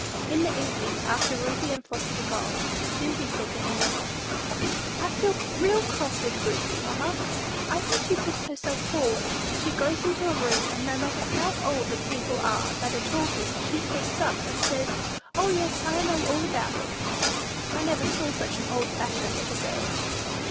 In the evening, after Ruthie and Flossy were gone, Susy said to her mother, "I feel real cross with Ruthie, mamma: I think she puts herself forward. She goes into a room, and no matter how old the people are that are talking, she speaks up, and says, 'O, yes, I know all about it.' I never saw such an old fashioned little girl."